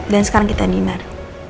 dan sekarang kita dinner